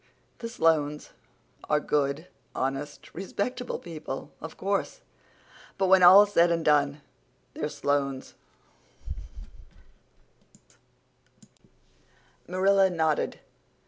The Sloanes are good, honest, respectable people, of course. But when all's said and done, they're Sloanes." Marilla nodded.